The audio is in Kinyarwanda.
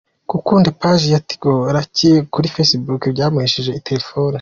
Gukunda paji ya Tigo layike kuri facebook byamuhesheje telefone